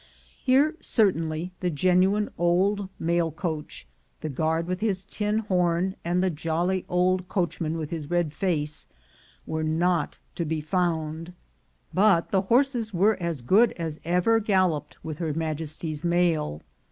Here, certainly, the genuine old mail coach, the guard with his tin horn, and the jolly old coachman with his red face, were not to be found; but the horses were as good as ever galloped with Her Ma jesty's mail.